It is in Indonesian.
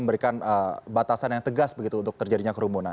memberikan batasan yang tegas begitu untuk terjadinya kerumunan